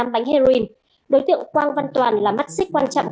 tám bánh heroin đối tượng quang văn toàng là mắt xích quan trọng